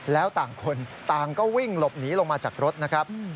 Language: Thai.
แล้วต่างคนต่างก็วิ่งหลบหนีลงมาจากรถนะครับ